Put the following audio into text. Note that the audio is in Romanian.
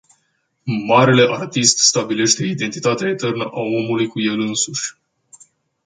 Marele artist stabilește identitatea eternă a omului cu el însuși.